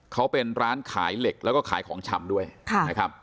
เขาเป็นร้านขายเหล็กแล้วก็ขายของชำด้วยนะครับ